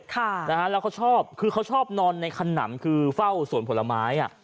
แล้วเขาชอบคือเขาชอบนอนในคันนำคือเฝ้าสวนผลไม้